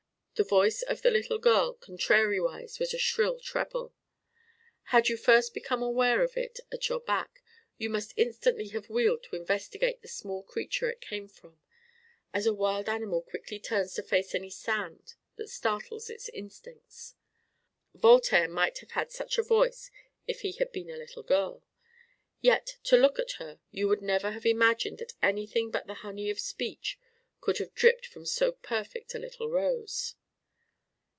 The voice of the little girl contrariwise was a shrill treble. Had you first become aware of it at your back, you must instantly have wheeled to investigate the small creature it came from, as a wild animal quickly turns to face any sound that startles its instincts. Voltaire might have had such a voice if he had been a little girl. Yet to look at her, you would never have imagined that anything but the honey of speech could have dripped from so perfect a little rose.